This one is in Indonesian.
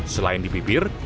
selain di pipir